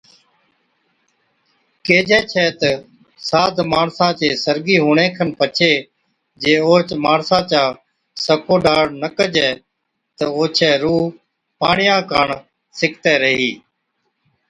ڪيھجَي ڇَي تہ ساد ماڻسا چي سرگِي ھُوَڻي کن پڇي جي اوھچ ماڻسا چا سکوڍاڙ نہ ڪجَي تہ اوڇِي روح پاڻِيا (ھوٽي) ڪاڻ سِڪتِي ريھِي